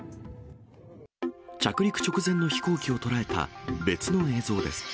着陸直前の飛行機を捉えた別の映像です。